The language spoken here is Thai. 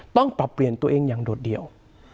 ต้องปรับเปลี่ยนตัวเองอย่างโดดเดี่ยว